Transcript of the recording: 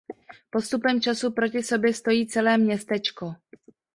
Postupem času proti sobě stojí celé městečko.